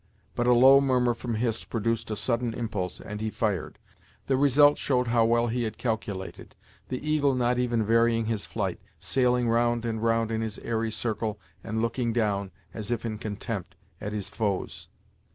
But a low murmur from Hist produced a sudden impulse and he fired. The result showed how well he had calculated, the eagle not even varying his flight, sailing round and round in his airy circle, and looking down, as if in contempt, at his foes.